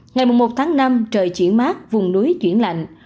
ngày một tháng năm trời chuyển mát vùng núi chuyển lạnh